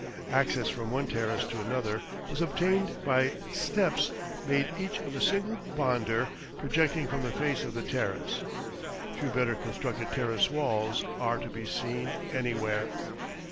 Access from one terrace to another was obtained by steps made each of a single bonder projecting from the face of the terrace. Few better constructed terrace walls are to be seen anywhere.